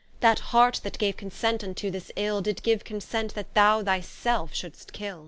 That heart that gave consent vnto this ill, Did give consent that thou thy selfe should'st kill.